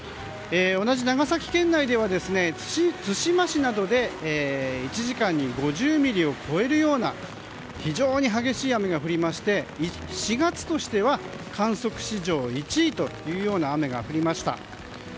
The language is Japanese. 同じ長崎県内では対馬市などで１時間に５０ミリを超えるような非常に激しい雨が降りまして４月としては観測史上１位という雨が降りました。